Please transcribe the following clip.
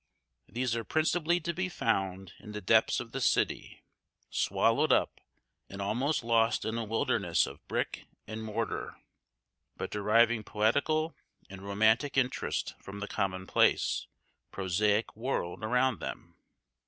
These are principally to be found in the depths of the city, swallowed up and almost lost in a wilderness of brick and mortar, but deriving poetical and romantic interest from the commonplace, prosaic world around them.